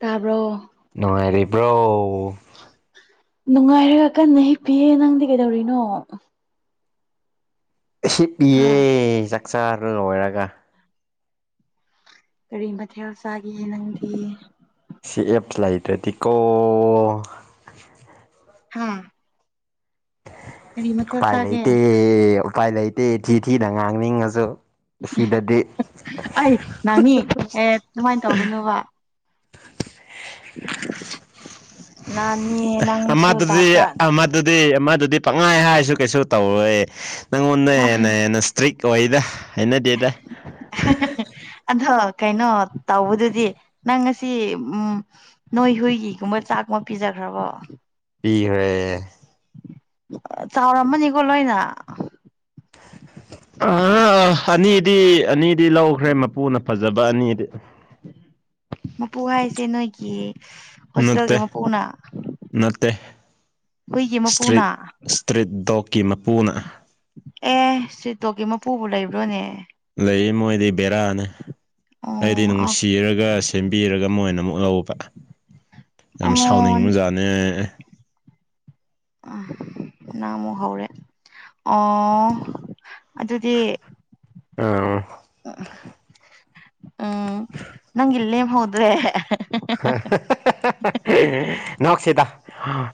ꯇꯥꯕ꯭ꯔꯣ ꯅꯨꯡꯉꯥꯏꯔꯤꯕ꯭ꯔꯣ ꯅꯨꯡꯉꯥꯏꯔꯒ ꯀꯟꯅ ꯍꯤꯞꯄꯤꯌꯦ ꯅꯪꯗꯤ ꯀꯩꯗꯧꯔꯤꯅꯣ ꯍꯤꯞꯄꯤꯌꯦ ꯍꯥ ꯆꯥꯛꯆꯥ ꯂꯣꯏꯔꯒ ꯀꯔꯤ ꯃꯊꯦꯜ ꯆꯥꯒꯦ ꯅꯪꯗꯤ ꯁꯤ ꯑꯦꯞꯁ ꯂꯩꯇ꯭ꯔꯗꯤꯀꯣ ꯍꯥ ꯀꯔꯤ ꯃꯊꯦꯜ ꯎꯄꯥꯏ ꯆꯥꯒꯦ ꯂꯩꯇꯦ ꯎꯄꯥꯏ ꯂꯩꯇꯦ ꯊꯤ ꯊꯤꯅ ꯉꯥꯡꯅꯤꯡꯉꯁꯨ ꯁꯤꯗꯗꯤ ꯑꯩ ꯅꯪꯅꯤ ꯑꯦ ꯑꯗꯨꯃꯥꯏ ꯇꯧꯒꯅꯣꯕ ꯅꯥꯅꯤ ꯅꯪꯁꯨ ꯑꯃꯥꯗꯨꯗꯤ ꯖꯥꯠ ꯖꯥꯠ ꯑꯃꯠ ꯑꯗꯨꯗꯤ ꯑꯃꯗꯨꯗꯤ ꯄꯪꯉꯥꯏ ꯍꯥꯏꯁꯨ ꯀꯩꯁꯨ ꯇꯧꯔꯣꯏ ꯅꯪꯉꯣꯟꯗ ꯍꯦꯟꯅ ꯍꯦꯟꯅ ꯇ꯭ꯔꯤꯛ ꯑꯣꯏꯗ ꯍꯩꯅꯗꯦꯗ ꯑꯗꯣ ꯀꯩꯅꯣ ꯇꯧꯕꯗꯨꯗꯤ ꯅꯪ ꯉꯁꯤ ꯎꯝ ꯅꯣꯏ ꯍꯨꯏꯒꯤꯒꯨꯝꯕ ꯆꯥꯛꯃ ꯄꯤꯖꯈ꯭ꯔꯕꯣ ꯄꯤꯒ꯭ꯔꯦ ꯆꯥꯎꯔꯝꯃꯅꯤꯀꯣ ꯂꯣꯏꯅ ꯑ ꯑꯅꯤꯗꯤ ꯑꯅꯤꯗꯤ ꯂꯧꯈ꯭ꯔꯦ ꯃꯄꯨꯅ ꯐꯖꯕ ꯑꯅꯤꯗꯤ ꯃꯄꯨ ꯍꯥꯏꯁꯦ ꯅꯣꯏꯒꯤ ꯅꯠꯇꯦ ꯍꯣꯁꯇꯦꯜꯒꯤ ꯃꯄꯨꯛꯅ ꯅꯠꯇꯦ ꯃꯄꯨꯅ ꯏꯁꯇ꯭ꯔꯤꯠ ꯏꯁꯇ꯭ꯔꯤꯠ ꯗꯣꯛꯀꯤ ꯃꯄꯨꯅ ꯑꯦ ꯏꯁꯇ꯭ꯔ꯭ꯤꯠ ꯗꯣꯛꯀꯤ ꯃꯄꯨꯕꯨ ꯂꯩꯕ꯭ꯔꯣꯅꯦ ꯂꯩ ꯃꯣꯏꯗꯤ ꯕꯦꯔꯥꯅꯤ ꯑꯩꯗꯤ ꯑꯣ ꯑ ꯅꯨꯡꯁꯤꯔꯒ ꯁꯦꯝꯕꯤꯔꯒ ꯃꯣꯏꯅ ꯑꯃꯨꯛ ꯂꯧꯕ ꯌꯥꯝ ꯑꯣ ꯁꯥꯎꯅꯤꯡꯕꯖꯥꯠꯅꯦ ꯑ ꯅꯪ ꯑꯃꯨꯛ ꯍꯧꯔꯦ ꯑꯣ ꯑꯗꯨꯗꯤ [unintelligible] ꯎꯝ ꯅꯪꯒꯤ ꯂꯦꯝꯍꯧꯗ꯭ꯔꯦ [unintelligible] ꯅꯣꯛꯁꯤꯗ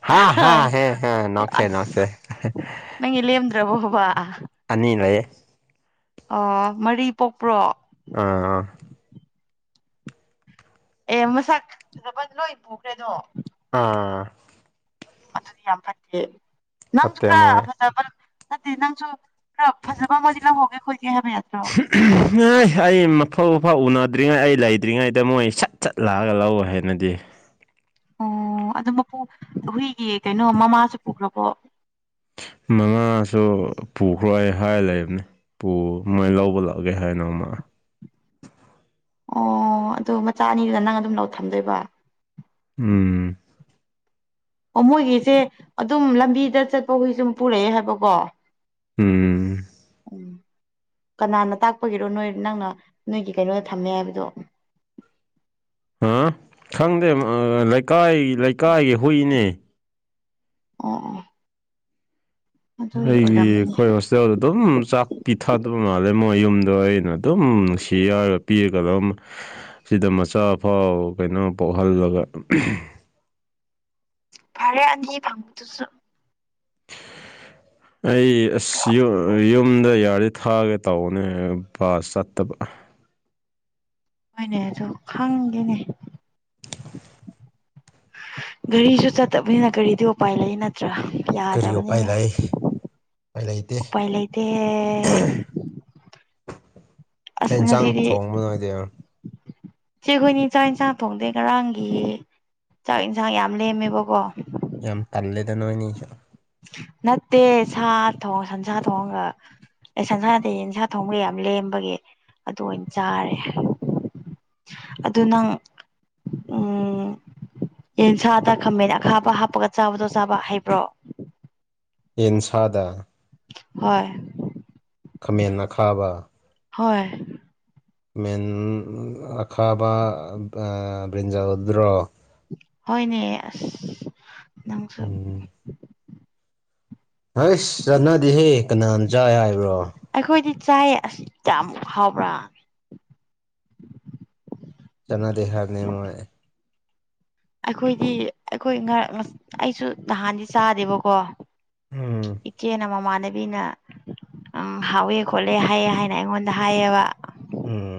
ꯍꯥ ꯍꯥ ꯍꯣꯏ ꯍꯦ ꯍꯦ ꯅꯣꯛꯁꯦ ꯑꯁ ꯅꯣꯛꯁꯦ ꯅꯪꯒꯤ ꯂꯦꯝꯗ꯭ꯔꯕꯣꯕ ꯑꯅꯤ ꯂꯩꯌꯦ ꯑ ꯃꯔꯤ ꯄꯣꯛꯄ꯭ꯔꯣ ꯑꯥ ꯑ ꯑꯦ ꯃꯁꯛ ꯐꯖꯕꯗꯤ ꯂꯣꯏ ꯄꯨꯈ꯭ꯔꯦꯗꯣ ꯑꯥ ꯑꯗꯨꯗꯤ ꯌꯥꯝ ꯐꯠꯇꯦ ꯅꯪꯁꯨ ꯐꯠꯇꯦ ꯃꯣꯏ ꯈꯔ ꯐꯖꯕ ꯅꯠꯇꯦ ꯅꯪꯁꯨ ꯈꯔ ꯐꯖꯕ ꯑꯃꯗꯤ ꯂꯧꯍꯧꯒꯦ ꯈꯣꯠꯀꯦ ꯍꯥꯏꯕ ꯌꯥꯗ꯭ꯔꯣ ꯉꯥꯏ ꯑꯩ ꯃꯐꯧ ꯃꯐꯥꯎ ꯎꯅꯗ꯭ꯔꯤꯉꯩ ꯑꯩ ꯂꯩꯗ꯭ꯔꯤꯉꯩꯗ ꯃꯣꯏ ꯁꯠ ꯆꯠ ꯂꯥꯛꯑꯒ ꯂꯧ ꯍꯥꯏꯅꯗꯤ ꯑꯣ ꯑꯗꯨ ꯃꯄꯨ ꯍꯨꯏꯒꯤ ꯀꯩꯅꯣ ꯃꯃꯥꯁꯨ ꯄꯨꯈ꯭ꯔꯕꯣ ꯃꯉꯥꯁꯨ ꯄꯨꯈ꯭ꯔꯣ ꯑꯩ ꯍꯥꯏ ꯂꯩꯕꯅꯤ ꯄꯨ ꯃꯣꯏ ꯂꯧꯕ ꯂꯥꯛꯑꯒꯦ ꯍꯥꯏꯅꯃ ꯑꯣ ꯑꯗꯨ ꯃꯆꯥ ꯑꯅꯤꯒ ꯅꯪ ꯑꯗꯨꯝ ꯂꯧ ꯊꯝꯗꯣꯏꯕ ꯎꯝ ꯑꯣ ꯃꯣꯏꯒꯤꯁꯦ ꯑꯗꯨꯝ ꯂꯝꯕꯤꯗ ꯆꯠꯄ ꯍꯨꯏꯁꯨꯝ ꯄꯨꯔꯛꯑꯦ ꯍꯥꯏꯕꯀꯣ ꯎꯝ ꯀꯅꯥꯅ ꯇꯥꯛꯄꯒꯤꯔꯣ ꯅꯣꯏ ꯅꯪꯅ ꯅꯣꯏꯒꯤ ꯀꯩꯅꯣꯗ ꯊꯝꯃꯦ ꯍꯥꯏꯕꯗꯣ ꯑ ꯈꯪꯗꯦ ꯂꯩꯀꯥꯏ ꯂꯩꯀꯥꯏꯒꯤ ꯍꯨꯏꯅꯦ ꯑꯣ ꯑꯣ ꯑꯗꯨꯒꯤ ꯑꯩꯒꯤ ꯑꯣꯏꯔꯝꯃꯅꯤ ꯈꯣꯏꯁ ꯆꯆꯧꯗ [inaudible] ꯑꯗꯨꯝ ꯆꯥꯛ ꯄꯤꯊꯗꯕ ꯃꯥꯜꯂꯦ ꯃꯣꯏ ꯌꯨꯝꯗꯣ ꯑꯩꯅ ꯑꯗꯨꯝ ꯅꯨꯡꯁꯤ ꯌꯥꯔꯒ ꯄꯤꯔꯒ ꯑꯗꯨꯝ ꯁꯤꯗ ꯃꯆꯥ ꯐꯥꯎ ꯀꯩꯅꯣ ꯄꯣꯛꯍꯜꯂꯒ ꯐꯔꯦ ꯑꯅꯤ ꯐꯪꯉꯤꯗꯨꯁꯨ ꯑꯩ ꯑꯁ ꯌꯨꯝꯗ ꯌꯥꯔꯤꯗꯤ ꯊꯥꯒꯦ ꯇꯧꯕꯅꯦ ꯕꯥꯁ ꯆꯠꯇꯕ ꯍꯣꯏꯅꯦ ꯑꯗꯨ ꯈꯪꯗꯦꯅꯦ ꯒꯥꯔꯤꯁꯨ ꯆꯠꯇꯕꯅꯤꯅ ꯒꯥꯔꯤꯗꯤ ꯎꯄꯥꯏ ꯂꯩ ꯅꯠꯇ꯭ꯔꯥ ꯀꯔꯤ ꯎꯄꯥꯏ ꯌꯥꯗꯕꯅꯤꯅ ꯂꯩ ꯎꯄꯥꯏ ꯂꯩꯇꯦ ꯎꯄꯥꯏ ꯂꯩꯇꯦ ꯑꯁ ꯌꯦꯟꯁꯥꯡ ꯉꯁꯤꯗꯤ ꯊꯣꯡꯕ ꯅꯣꯏ ꯅꯣꯏꯗꯦ ꯢꯆꯦꯈꯣꯏꯅꯤ ꯆꯥꯛ ꯏꯟꯁꯥꯡ ꯊꯣꯡꯗꯦ ꯉꯔꯥꯡꯒꯤ ꯆꯥꯛ ꯏꯟꯁꯥꯡ ꯌꯥꯝ ꯂꯦꯝꯃꯦꯕꯀꯣ ꯌꯥꯝ ꯇꯜꯂꯦꯗ ꯅꯣꯏꯅꯤꯁꯨ ꯅꯠꯇꯦ ꯁꯥ ꯊꯣꯡ ꯁꯟꯁꯥ ꯊꯣꯡꯒ ꯑꯦ ꯁꯟꯁꯥ ꯌꯦꯟꯁꯥ ꯊꯣꯡꯉꯥ ꯌꯥꯝ ꯂꯦꯝꯕꯒꯤ ꯑꯗꯨ ꯑꯣꯏꯅ ꯆꯥꯔꯦ ꯑꯗꯨ ꯅꯪ ꯎꯝ ꯌꯦꯟꯁꯥꯗ ꯈꯝꯃꯦꯟ ꯑꯈꯥꯕ ꯍꯥꯞꯄꯒ ꯆꯥꯕꯗꯣ ꯆꯥꯕ ꯍꯩꯕ꯭ꯔꯣ ꯌꯦꯟꯁꯥꯗ ꯍꯣꯏ ꯈꯥꯃꯦꯟ ꯑꯈꯥꯕ ꯍꯣꯏ ꯃꯦꯟ ꯑꯈꯥꯕ ꯕ꯭ꯔꯤꯟꯖꯥꯜꯗꯨꯔꯣ ꯍꯣꯢꯅꯦ ꯑꯁ ꯅꯪꯁꯨ ꯎꯝ ꯍꯁ ꯆꯅꯗꯦꯍꯦ ꯀꯅꯥꯅ ꯆꯥꯏ ꯍꯥꯏꯕ꯭ꯔꯣ ꯑꯩꯈꯣꯏꯗꯤ ꯆꯥꯏ ꯑꯁꯤ ꯌꯥꯝ ꯍꯥꯎꯕ꯭ꯔꯥ ꯆꯅꯥꯗꯦ ꯍꯥꯥꯢꯕꯅꯦ ꯃꯣꯢ ꯑꯩꯈꯣꯏꯗꯤ ꯑꯩꯈꯣꯏ ꯑꯩꯁꯨ ꯅꯍꯥꯟꯗꯤ ꯆꯥꯗꯦꯕꯀꯣ ꯎꯝ ꯏꯆꯦꯅ ꯃꯃꯥꯟꯅꯕꯤꯅ ꯎꯝ ꯍꯥꯎꯋꯦ ꯈꯣꯠꯂꯦ ꯍꯥꯏꯑꯦ ꯍꯥꯏꯅ ꯑꯩꯉꯣꯟꯗ ꯍꯥꯏꯑꯦꯕ ꯎꯝ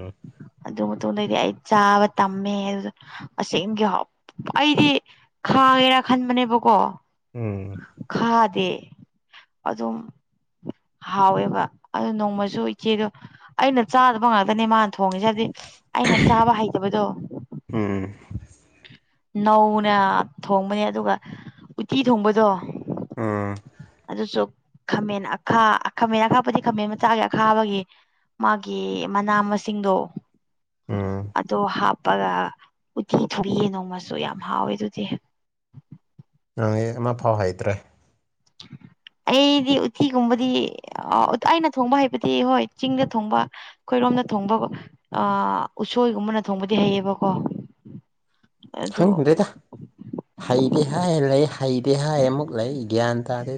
ꯑꯗꯨ ꯃꯇꯨꯡꯗꯗꯤ ꯑꯩ ꯆꯥꯕ ꯇꯝꯃꯦ ꯑꯗꯨꯗ ꯑꯁꯦꯡꯒꯤ ꯑꯩꯗꯤ ꯈꯥꯡꯉꯦꯔꯥ ꯈꯟꯕꯅꯦꯕꯀꯣ ꯎꯝ ꯈꯥꯗꯦ ꯑꯗꯨꯝ ꯍꯥꯎꯋꯦꯕ ꯑꯗꯨ ꯅꯣꯡꯃꯁꯨ ꯏꯆꯦꯗꯣ ꯑꯩꯅ ꯆꯥꯗꯕ ꯉꯥꯛꯇꯅꯦ ꯃꯥ ꯊꯣꯡꯉꯦꯁꯤ ꯍꯥꯏꯗꯤ ꯑꯩꯅ ꯆꯥꯕ ꯍꯩꯇꯕꯗꯣ ꯎꯝ ꯅꯧꯅ ꯊꯣꯡꯕꯅꯦ ꯑꯗꯨꯒ ꯎꯠꯇꯤ ꯊꯣꯡꯕꯗꯣ ꯎꯝ ꯑꯗꯨꯁꯨ ꯈꯥꯃꯦꯟ ꯥ ꯈꯥꯃꯦꯟ ꯑꯈꯥꯄꯗꯤ ꯈꯥꯃꯦꯟ ꯃꯆꯥꯒꯤ ꯑꯈꯥꯕꯒꯤ ꯃꯥꯒꯤ ꯃꯅꯥ ꯃꯁꯤꯡꯗꯣ ꯎꯝ ꯑꯗꯣ ꯍꯥꯞꯄꯒ ꯎꯠꯇꯤ ꯊꯣꯡꯉꯦ ꯅꯣꯡꯃꯁꯨ ꯌꯥꯝ ꯍꯥꯎꯋꯦ ꯑꯗꯨꯗꯤ ꯅꯥꯩ ꯑꯃ ꯐꯥꯎ ꯍꯩꯇ꯭ꯔꯦ [inaudible] [unintelligible] ꯑꯩꯗꯤ ꯎꯠꯇꯤꯒꯨꯝꯕꯗꯤ ꯑꯩꯅ ꯊꯣꯡꯕ ꯍꯥꯏꯕꯗꯤ ꯍꯣꯏ ꯆꯤꯡꯗ ꯊꯣꯡꯕ ꯑꯩꯈꯣꯏꯔꯣꯝꯗ ꯊꯣꯡꯕ ꯑ ꯎꯁꯣꯏꯒꯨꯝꯕꯅ ꯊꯣꯡꯕꯗꯤ ꯍꯩꯌꯦꯕꯀꯣ ꯑꯗꯣ ꯈꯪꯗꯦꯗ ꯍꯩꯇꯦ ꯍꯥꯏ ꯂꯩ ꯍꯩꯇꯦ ꯍꯥꯏ ꯑꯃꯨꯛ ꯂꯩ ꯒ꯭ꯌꯥꯟ ꯇꯥꯗꯦ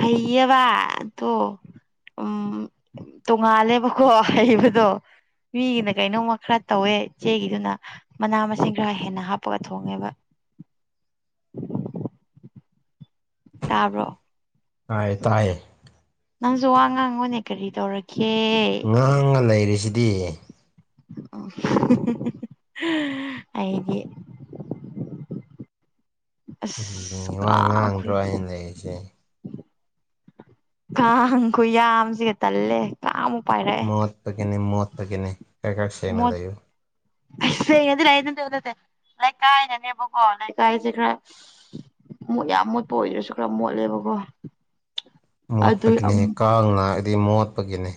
ꯍꯩꯌꯦꯕ ꯑꯇꯣ ꯎꯝ ꯇꯣꯡꯉꯥꯜꯂꯦꯕꯀꯣ ꯍꯩꯕꯗꯣ ꯃꯤꯒꯤꯅ ꯀꯩꯅꯣꯝꯃ ꯈꯔ ꯇꯧꯋꯦ ꯏꯆꯦꯒꯤꯗꯨꯅ ꯃꯅꯥ ꯃꯁꯤꯡ ꯈꯔ ꯍꯦꯟꯅ ꯍꯥꯞꯄꯒ ꯊꯣꯡꯉꯦꯕ ꯇꯥꯕꯔꯣ ꯇꯥꯏ ꯇꯥꯏꯌꯦ ꯅꯪꯁꯨ ꯋꯥ ꯉꯥꯡꯉꯣꯅꯦ ꯀꯔꯤ ꯇꯧꯔꯀꯦ ꯉꯥꯡꯉꯥ ꯂꯩꯔꯤꯁꯤꯗꯤ ꯑꯣ ꯍꯥꯏꯗꯤ ꯑꯁ ꯀꯔꯤ ꯋꯥ ꯉꯥꯡꯕ꯭ꯔꯣ ꯀꯥꯈ꯭ꯔꯦ ꯑꯩꯅ ꯂꯩꯔꯤꯁꯦ ꯀꯥꯡ ꯈꯨ ꯌꯥꯝꯁꯤꯒ ꯇꯜꯂꯦ ꯀꯥꯡꯃꯨꯛ ꯄꯥꯏꯔꯛꯦ ꯃ ꯃ ꯄꯅꯦ ꯀ ꯀ ꯂꯩꯨ ꯑꯗꯨ꯭ꯔꯅꯂꯦ ꯂꯥꯏꯛ ꯀꯥꯏꯅꯅꯦꯕꯀꯣ ꯂꯥꯏꯛ ꯀꯥꯏꯁꯤꯦ ꯈ ꯃꯨꯠ ꯌꯥꯝ ꯃꯣꯠꯄ ꯑꯣꯏꯗꯔꯁꯨ ꯈꯔ ꯃꯣꯠꯂꯦꯕꯀꯣ ꯑꯗꯨ ꯃꯣꯠꯄꯒꯤꯅꯤ ꯀꯥꯡꯅꯅꯥ ꯍꯥꯏꯗꯤ ꯃꯣꯠꯄꯒꯤꯅꯤ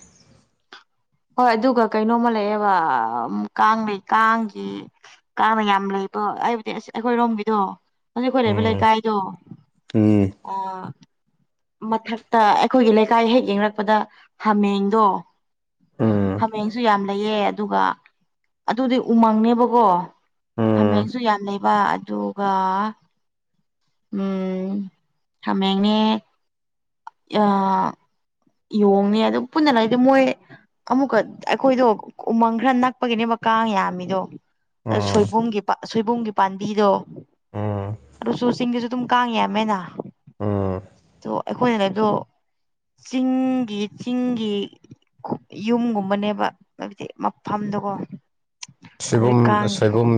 ꯍꯣꯏ ꯑꯗꯨꯒ ꯀꯩꯅꯣꯝꯃ ꯂꯩꯌꯦꯕ ꯀꯥꯡ ꯂꯩꯩ ꯀꯥꯡꯒꯤ ꯀꯥꯡꯅ ꯌꯥꯝ ꯂꯩꯕ ꯑꯩꯕꯨꯗꯤ ꯑꯁ ꯑꯩꯈꯣꯏꯔꯣꯝꯒꯤꯗꯣ ꯍꯧꯖꯤꯛꯈꯣꯏ ꯂꯩꯕ ꯎꯝ ꯂꯩꯀꯥꯏꯗꯣ ꯎꯝ ꯑ ꯃꯊꯛꯇ ꯑꯩꯈꯣꯏꯒꯤ ꯂꯩꯀꯥꯏ ꯍꯦꯛ ꯌꯦꯡꯂꯡꯔꯛꯄꯗ ꯍꯥꯃꯦꯡꯗꯣ ꯎꯝ ꯍꯥꯃꯦꯡꯁꯨ ꯌꯥꯝ ꯂꯩꯌꯦ ꯑꯗꯨꯒ ꯑꯗꯨꯗꯤ ꯎꯃꯪꯅꯦꯕꯀꯣ ꯍꯥꯃꯦꯡꯁꯨ ꯌꯥꯝ ꯂꯩꯕ ꯑꯗꯨꯒ ꯎꯝ ꯈꯃꯦꯡꯅꯦ ꯑ ꯌꯦꯣꯡꯅꯤ ꯑꯗꯨ ꯄꯨꯟꯅ ꯂꯩꯗꯤ ꯃꯣꯏ ꯑꯃꯨꯛꯀ ꯑꯩꯈꯣꯏꯗꯣ ꯎꯃꯪ ꯈꯔ ꯅꯛꯄꯒꯤꯅꯦꯕ ꯀꯥꯡ ꯌꯥꯝꯃꯤꯗꯣ ꯎꯝ ꯎꯝ ꯁꯣꯏꯕꯨꯝꯒꯤ ꯁꯣꯏꯕꯨꯝꯒꯤ ꯄꯥꯝꯕꯤꯗꯣ ꯎꯝ ꯑꯗꯨꯨꯁꯨ ꯆꯤꯡꯗꯁꯨ ꯑꯗꯨꯝ ꯀꯥꯡꯥꯡꯉꯦ ꯌꯥꯝꯃꯦꯅ ꯎꯝ ꯑꯗꯣ ꯑꯩꯈꯣꯏꯅ ꯂꯩꯗꯣ ꯆꯤꯡꯒꯤ ꯆꯤꯡꯒꯤ ꯌꯨꯝꯒꯨꯝꯕꯅꯦꯕ ꯍꯥꯏꯕꯗꯤ ꯃꯐꯝꯗꯨꯀꯣ ꯁꯣꯏꯕꯨꯝ ꯁꯣꯏꯕꯨꯝ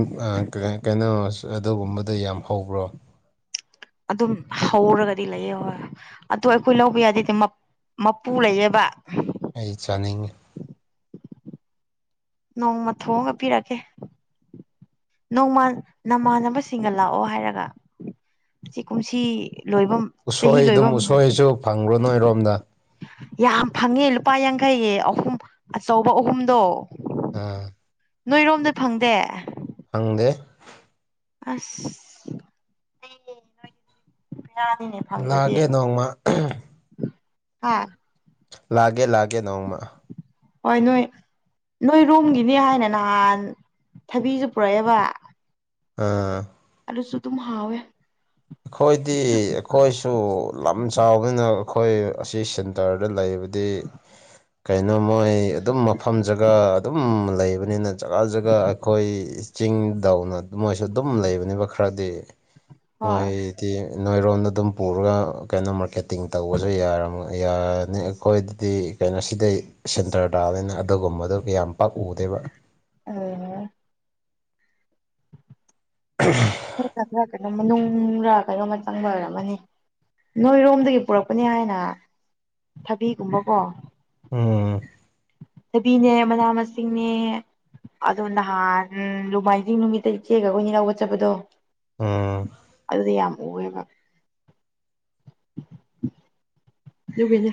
ꯀꯩꯅꯣ ꯑꯗꯨꯒꯨꯝꯕꯗ ꯌꯥꯝ ꯍꯧꯕ꯭ꯔꯣ ꯑꯗꯨꯝ ꯍꯧꯔꯒꯗꯤ ꯂꯩꯌꯦ ꯍꯣꯏ ꯑꯗ ꯑꯩꯈꯣꯏ ꯂꯧꯕ ꯌꯥꯗꯦꯗꯤ ꯃꯄꯨ ꯂꯩꯌꯦꯕ ꯑꯩ ꯆꯥꯅꯤꯡꯏꯤ ꯅꯣꯡꯃ ꯊꯣꯡꯑꯉ ꯄꯤꯔꯛꯀꯦ ꯅꯣꯡꯃꯥꯟ ꯅꯃꯥꯟꯅꯕꯁꯤꯡꯒ ꯂꯥꯛꯑꯣ ꯍꯥꯏꯔꯒ ꯁꯤ ꯀꯨꯝꯁꯤ ꯂꯣꯏꯕ ꯆꯍꯤ ꯎꯁꯣꯏ ꯂꯣꯏꯕ ꯑꯗꯨꯝ ꯎꯁꯣꯏꯁꯨ ꯐꯪꯈ꯭ꯔꯨ ꯅꯣꯏꯔꯣꯝꯗ ꯌꯥꯝ ꯐꯪꯉꯦ ꯂꯨꯄꯥ ꯌꯥꯡꯈꯩꯌꯦ ꯑꯍꯨꯝ ꯑꯆꯧꯕ ꯑꯍꯨꯝꯗꯣ ꯎꯥ ꯅꯣꯏꯔꯣꯝꯗ ꯐꯪꯗꯦ ꯐꯪꯗꯦ ꯑꯁ ꯑꯩ ꯅꯣꯏꯒꯤꯗꯤ ꯄꯔꯥꯗꯤꯅꯦ ꯂꯅꯥꯒꯦ ꯅꯣꯡꯃ ꯍꯥꯥ ꯂꯦ ꯂꯦ ꯅꯥꯎꯃ ꯍꯣꯏ ꯅꯣꯏ ꯅꯣꯏ ꯔꯨꯝꯝꯒꯤꯅꯦ ꯍꯥꯏꯅ ꯅꯍꯥꯟ ꯊꯕꯤꯁꯨ ꯄꯨꯔꯛꯑꯦꯕ ꯑꯥ ꯑꯂꯁꯨ ꯑꯗꯨꯝ ꯍꯥꯎꯋꯦ ꯑꯩꯈꯣꯏꯗꯤ ꯑꯩꯈꯣꯏꯁꯨ ꯂꯝ ꯆꯥꯎꯕꯅ ꯑꯩꯈꯣꯏ ꯑꯁꯤ ꯁꯦꯟꯇꯔꯗ ꯂꯩꯕꯗꯤ ꯀꯩꯅꯣ ꯃꯣꯏ ꯑꯗꯨꯝ ꯃꯐꯝ ꯖꯒꯥ ꯑꯗꯨꯝ ꯂꯩꯕꯅꯤꯅ ꯖꯒꯥ ꯖꯒꯥ ꯑꯩꯈꯣꯏ ꯆꯤꯡꯗꯧꯅ ꯃꯣꯏꯁꯨ ꯑꯗꯨꯝ ꯂꯩꯕꯅꯦꯕ ꯈꯔꯗꯤ ꯃꯣꯏ ꯍꯣꯏ ꯗꯤ ꯅꯣꯏꯔꯣꯟꯗ ꯑꯗꯨꯝ ꯄꯨꯔꯒ ꯀꯩꯅꯣ ꯃꯥꯔꯀꯦꯇꯤꯡ ꯇꯧꯕꯁꯨ ꯌꯥꯔ ꯌꯥꯅꯤ ꯑꯩꯈꯣꯏꯗꯗꯤ ꯀꯩꯅꯣ ꯁꯤꯗꯩ ꯁꯦꯟꯇꯔ ꯇꯥꯕꯅꯤꯅ ꯑꯗꯨꯒꯨꯝꯕꯗꯨ ꯌꯥꯝ ꯄꯥꯛꯎꯗꯦꯕ ꯑ [unintelligible] [inaudible] ꯑꯩꯣꯏꯅ ꯈꯔ ꯀꯩꯅꯣꯝ ꯃꯅꯨꯡꯗ ꯀꯩꯅꯣꯝꯃ ꯆꯪꯕ ꯑꯣꯏꯔꯝꯃꯅꯤ ꯅꯣꯏꯔꯣꯝꯗꯒꯤ ꯄꯨꯔꯛꯄꯅꯤ ꯍꯥꯏꯅ ꯊꯕꯤꯒꯨꯝꯕꯀꯣ ꯎꯝ ꯊꯥꯕꯤꯅꯦ ꯃꯅꯥ ꯃꯁꯤꯡꯅꯦ꯫ ꯑꯗꯣ ꯅꯍꯥꯟ ꯅꯨꯃꯥꯏꯖꯤꯡ ꯅꯨꯃꯤꯠꯇ ꯏꯆꯦꯒꯈꯣꯏꯅꯤ ꯂꯧꯒ ꯆꯠꯄꯗꯣ꯫ ꯎꯝ ꯑꯗꯨꯗꯤ ꯌꯥꯝ ꯎꯑꯦꯕ꯫ ꯑꯗꯨꯒꯤ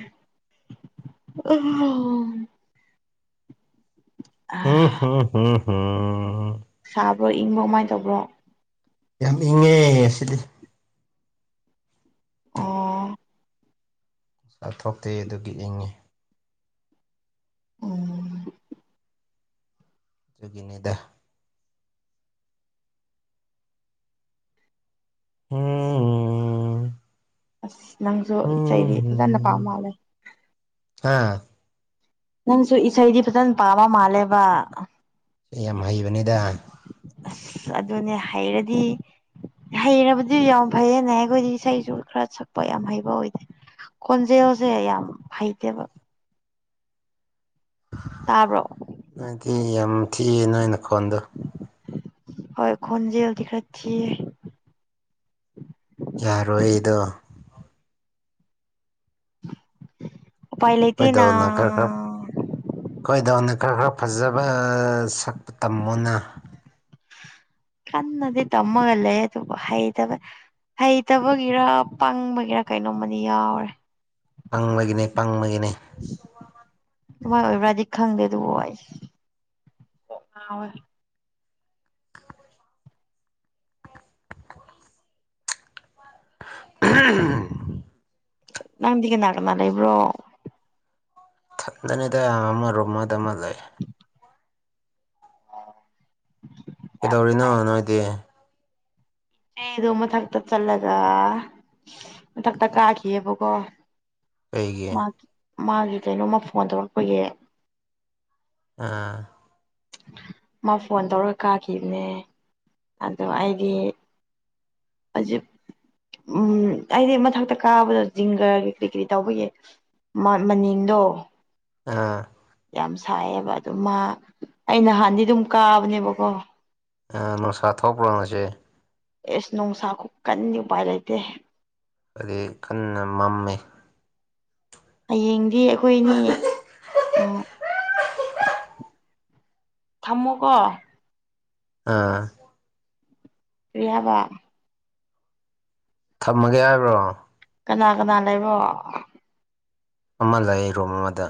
[unintelligible] [unintelligible] ꯁꯥꯕ꯭ꯔꯣ ꯏꯪꯕ꯭ꯔꯣ ꯀꯃꯥꯏꯅ ꯇꯧꯕ꯭ꯔꯣ꯫ ꯌꯥꯝ ꯏꯪꯉꯦ ꯑꯁꯤꯗꯤ꯫ ꯑꯣ꯫ ꯆꯥꯊꯣꯛꯇꯦ ꯑꯗꯨꯒꯤ ꯏꯪꯉꯤ꯫ ꯑꯣ꯫ ꯑꯗꯨꯨꯒꯤꯅꯤꯗ꯫ [unintelligible] ꯑꯁ ꯅꯪꯁꯨ ꯏꯁꯩꯗꯤ ꯐꯖꯅ ꯄꯥꯝ ꯃꯥꯜꯂꯦ꯫ ꯍꯥꯥ꯫ ꯅꯪꯁꯨ ꯏꯁꯩꯗꯤ ꯐꯖꯅ ꯄꯥꯕ ꯃꯥꯜꯂꯦꯕ꯫ ꯌꯥꯝ ꯍꯩꯕꯅꯤꯗ꯫ ꯑꯁ ꯑꯗꯨꯅꯦ ꯍꯩꯔꯗꯤ꯫ ꯍꯩꯔꯕꯗꯤ ꯌꯥꯝ ꯐꯩꯌꯦꯅꯦ ꯑꯩꯈꯣꯏꯗꯤ ꯏꯁꯩꯁꯨ ꯈꯔ ꯁꯛꯄ ꯌꯥꯝ ꯍꯩꯕ ꯑꯣꯏꯗꯦ꯫ ꯀꯣꯟꯖꯦꯜꯁꯦ ꯌꯥꯝ ꯍꯩꯇꯦꯕ꯫ ꯇꯥꯕ꯭ꯔꯣ꯫ ꯅꯪꯗꯤ ꯌꯥꯝ ꯊꯤꯌꯦ ꯅꯣꯏ ꯅꯈꯣꯟꯗꯨ꯫ ꯍꯣꯏ ꯈꯣꯟꯖꯦꯜꯗꯤ ꯈꯔ ꯊꯤꯌꯦ꯫ ꯌꯥꯔꯣꯏꯗꯣ꯫ ꯎꯄꯥꯏ ꯂꯩꯇꯦ ꯅ꯫ ꯑꯩꯈꯣꯏꯗꯅ ꯈꯔ ꯈꯔ ꯐꯖꯕ ꯁꯛꯄ ꯇꯝꯃꯣꯅ꯫ ꯀꯟꯅꯗꯤ ꯇꯃꯒ ꯂꯩꯌꯦ ꯑꯗꯨꯕꯨ ꯍꯩꯇꯕ ꯍꯩꯇꯕꯒꯤꯔ ꯄꯪꯕꯒꯤꯔ ꯀꯩꯅꯣꯝꯃꯗꯤ ꯌꯥꯎꯔꯦ꯫ ꯄꯪꯕꯒꯤꯅꯦ ꯄꯪꯕꯒꯤꯅꯦ꯫ ꯑꯗꯨꯃꯥꯏ ꯑꯣꯏꯕ꯭ꯔꯗꯤ ꯈꯪꯗꯦ ꯑꯗꯨꯕꯨ ꯀꯣꯛ ꯉꯥꯎꯌꯦ꯫ [unintelligible] ꯅꯪꯗꯤ ꯀꯅ ꯀꯥꯅꯥ ꯂꯩꯕ꯭ꯔꯣ꯫ ꯊꯟꯗꯅꯤꯗ ꯑꯃ ꯔꯨꯝꯃꯗꯥ ꯂꯩ꯫ ꯌꯥꯝ ꯀꯩꯗꯧꯔꯤꯅꯣ ꯅꯨꯡꯉꯥꯏꯇ꯭ꯔꯦ ꯅꯣꯏꯗꯤ꯫ ꯑꯩꯗꯣ ꯃꯊꯛꯇ ꯆꯠꯂꯒ ꯃꯊꯛꯇ ꯀꯥꯈꯤꯌꯦꯕꯀꯣ꯫ ꯀꯩꯒꯤ ꯃꯥꯒꯤ ꯃꯥꯒꯤ ꯀꯩꯅꯣꯃ ꯐꯣꯟ ꯇꯧꯔꯛꯄꯒꯤ꯫ ꯑꯥ ꯃꯥ ꯐꯣꯟ ꯇꯧꯔꯒ ꯀꯥꯈꯤꯕꯅꯦ ꯑꯗꯣ ꯑꯩꯗꯤ ꯍꯧꯖꯤꯛ ꯎꯝ ꯑꯩꯗꯤ ꯃꯊꯛꯇ ꯀꯥꯕꯗꯣ ꯖꯤꯡꯒꯔ ꯀꯔꯤ ꯀꯔꯤ ꯇꯧꯕꯒꯦ ꯃꯥꯠ ꯃꯅꯤꯡꯗꯣ꯫ ꯑꯥ꯫ ꯌꯥꯝ ꯁꯥꯏꯌꯦꯕ ꯑꯗꯨ ꯃꯥ ꯑꯩ ꯅꯍꯥꯟꯗꯤ ꯑꯗꯨꯝ ꯀꯥꯕꯅꯦꯕꯀꯣ꯫ ꯑꯥ ꯅꯨꯡꯁꯥ ꯊꯣꯛꯄ꯭ꯔꯣ ꯉꯥꯁꯤ꯫ ꯑꯦꯁ ꯅꯨꯡꯁꯥ ꯈꯨ ꯀꯟꯅꯗꯤ ꯎꯄꯥꯏ ꯂꯩꯇꯦ꯫ ꯍꯥꯏꯗꯤ ꯀꯟꯅ ꯃꯝꯃꯤ꯫ ꯍꯌꯦꯡꯗꯤ ꯑꯩꯈꯣꯏꯅꯤ ꯎꯝ ꯊꯝꯃꯣꯀꯣ꯫ ꯑꯥ꯫ ꯀꯔꯤ ꯍꯥꯏꯕ꯫ ꯊꯝꯃꯒꯦ ꯍꯥꯏꯕ꯭ꯔꯣ꯫ ꯀꯅꯥ ꯀꯅꯥ ꯂꯩꯕꯣ ꯑꯃ ꯂꯩ ꯔꯨꯝ ꯑꯃꯗ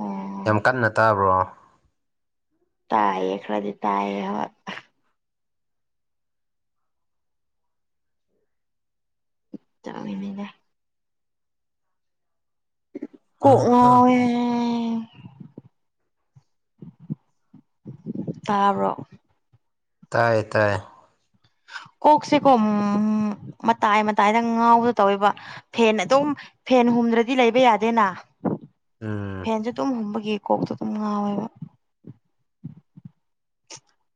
ꯑꯣ ꯌꯥꯝ ꯀꯟꯅ ꯇꯥꯕ꯭ꯔꯣ ꯇꯌꯦ ꯑꯦꯈꯔꯗꯤ ꯇꯑꯌꯦ ꯍꯣꯏ ꯇꯅꯤꯗ ꯀꯉꯦ ꯇꯥꯔꯣ ꯇꯥꯏꯌꯦ ꯇꯥꯏꯌꯦ ꯀꯣꯛꯁꯤꯦꯀꯣ ꯃꯇꯥꯏ ꯃꯇꯥꯏꯗ ꯉꯥꯎꯗ ꯇꯧꯋꯦꯕ ꯐꯦꯟ ꯑꯗꯨꯝ ꯐꯦꯟ ꯍꯨꯝꯗ꯭ꯔꯗꯤ ꯂꯩꯕ ꯌꯥꯗꯦꯅ ꯎꯝ ꯐꯦꯟꯁꯨ ꯑꯗꯨꯝ ꯍꯨꯝꯕꯒꯤ ꯀꯣꯛꯇꯣ ꯑꯗꯨꯝ ꯉꯥꯎꯋꯦꯕ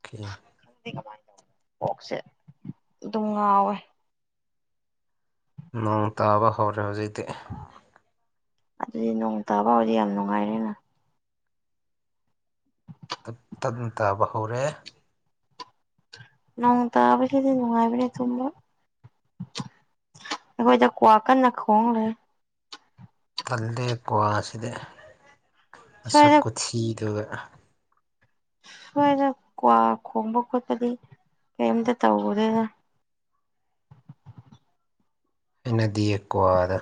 ꯀꯔꯣ ꯑꯣꯛꯁꯦ ꯑꯗꯨꯝ ꯉꯥꯎꯋꯦ ꯅꯣꯡ ꯇꯥꯕ ꯍꯧꯔꯦ ꯍꯧꯖꯤꯛꯇꯤ ꯑꯗꯨꯗꯤ ꯅꯣꯡ ꯇꯥꯕꯥꯎꯗꯤ ꯌꯥꯝ ꯅꯨꯡꯉꯥꯏꯔꯦꯅ ꯇꯞ ꯇꯞꯅ ꯇꯥꯕ ꯍꯧꯔꯦ ꯅꯣꯡ ꯇꯥꯕꯒꯤꯗꯤ ꯅꯨꯡꯉꯥꯏꯕ꯭ꯔꯥ ꯊꯨꯝꯕ ꯑꯩꯈꯣꯏꯗ ꯀ꯭ꯋꯥ ꯀꯟꯅ ꯈꯣꯡꯈ꯭ꯔꯦ ꯇꯜꯂꯦ ꯀ꯭ꯋꯥꯁꯤꯗ ꯁ꯭ꯋꯥꯏꯗ ꯃꯁꯛꯀꯨꯊꯤꯗꯨꯒ ꯁ꯭ꯋꯥꯏꯗ ꯀ꯭ꯋꯥ ꯈꯣꯡꯕ ꯈꯣꯠꯄꯗꯤ ꯀꯔꯤꯝꯇ ꯇꯧꯗꯦꯅ ꯏꯗꯤꯋꯥꯗ